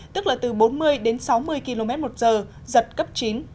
tức là từ bốn mươi đến sáu mươi km một giờ giật cấp chín